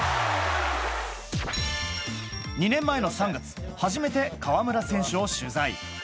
２年前の３月初めて河村選手を取材。